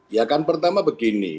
ya kan pertama begini